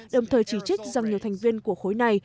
đồng thời chỉ trích rằng nhiều thành viên của khối này